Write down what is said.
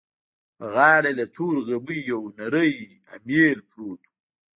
په غاړه يې له تورو غميو يو نری اميل پروت و.